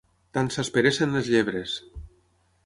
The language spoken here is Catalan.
Tant s'esperessin les llebres!